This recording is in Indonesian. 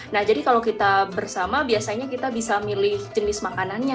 nah jadi kalau kita bersama biasanya kita bisa milih jenis makanannya